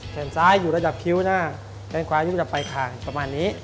แสดงซ้ายอยู่ระดับคิ้วหน้าแสดงขวายอยู่ระดับใบขาประมาณนี้